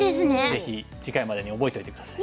ぜひ次回までに覚えといて下さい。